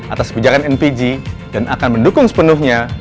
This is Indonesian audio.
atas kebijakan lpg dan akan mendukung sepenuhnya